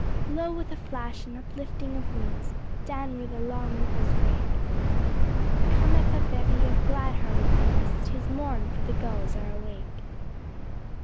Lo ! with a flash and uplifting of wings Down where the long ripples break, Cometh a bevy of glad hearted things, *Tis morn, for the gulls are awake.